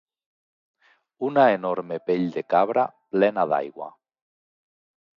Una enorme pell de cabra plena d'aigua